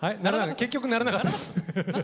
結局ならなかったです。